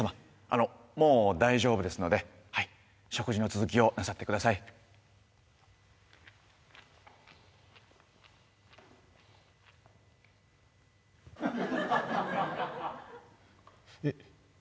あのもう大丈夫ですのではい食事の続きをなさってくださいえっ